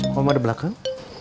kamu ada belakang